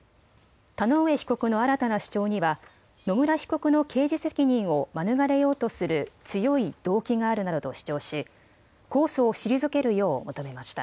田上被告の新たな主張には野村被告の刑事責任を免れようとする強い動機があるなどと主張し控訴を退けるよう求めました。